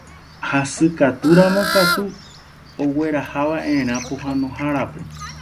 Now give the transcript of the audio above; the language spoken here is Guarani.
Hasykatúramo katu oguerahava'erã pohãnohárape.